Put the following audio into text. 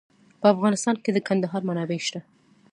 په افغانستان کې د کندهار منابع شته.